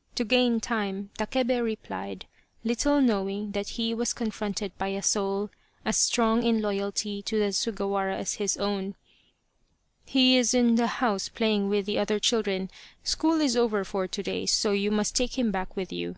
" To gain time, Takebe replied, little knowing that he was confronted by a soul as strong in loyalty to the Sugawara as his own :" He is in the house playing with the other children school is over for to day, so you must take him back with you."